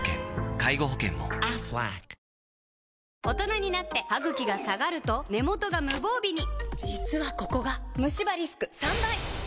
大人になってハグキが下がると根元が無防備に実はここがムシ歯リスク３倍！